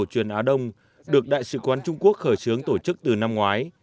tết cổ truyền á đông được đại sứ quán trung quốc khởi xướng tổ chức từ năm ngoái